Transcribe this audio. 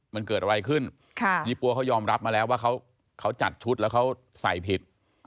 มันเกิดอะไรขึ้นยี่ปั๊วเขายอมรับมาแล้วว่าเขาจัดชุดแล้วเขาใส่ผิด